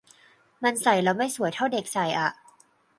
มันใส่แล้วไม่สวยเท่าเด็กใส่อะ